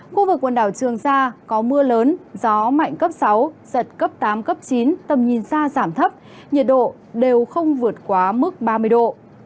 khu vực quần đảo trường sa có mưa lớn gió mạnh cấp sáu giật cấp tám cấp chín tầm nhìn xa giảm thấp nhiệt độ đều không vượt quá mức ba mươi độ